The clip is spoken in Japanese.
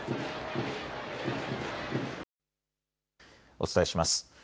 お伝えします。